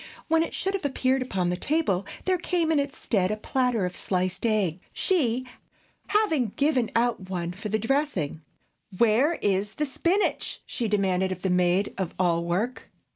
When it should have appeared upon the table, there came in its stead a platter of sliced egg, she having given out one for the dressing. "Where is the spinach?" she demanded of the maid of all work.